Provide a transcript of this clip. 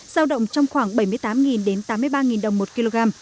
giao động trong khoảng bảy mươi tám tám mươi ba đồng một kg